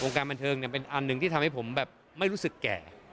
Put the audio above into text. การบันเทิงเป็นอันหนึ่งที่ทำให้ผมแบบไม่รู้สึกแก่